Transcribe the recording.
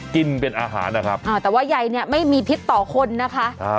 กินเป็นอาหารนะครับแต่ว่าใยเนี่ยไม่มีพิษต่อคนนะคะ